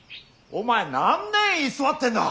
お前何年居座ってんだ！